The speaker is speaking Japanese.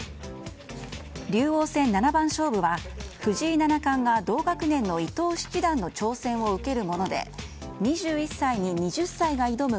竜王戦七番勝負は藤井七冠が同学年の伊藤七段の挑戦を受けるもので２１歳に２０歳が挑む